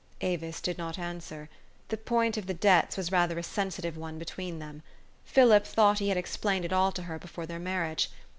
Avis did not answer. This point of the debts was rather a sensitive one between them. Philip thought he had explained it all to her before their marriage.